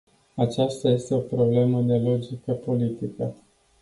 Aceasta este o problemă de logică politică.